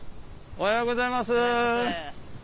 おはようございます。